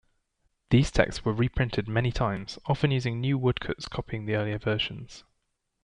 These texts were reprinted many times, often using new woodcuts copying the earlier versions.